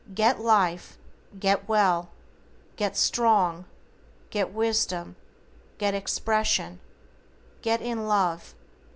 Get life, get well, get strong, get wisdom, get expression, get in love.